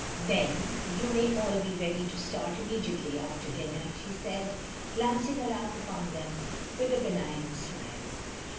"Then you may all be ready to start immediately after dinner," she said, glancing around upon them with a benign smile.